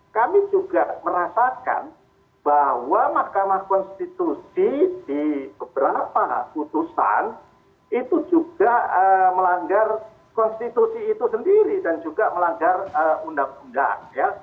kami juga merasakan bahwa mahkamah konstitusi di beberapa putusan itu juga melanggar konstitusi itu sendiri dan juga melanggar undang undang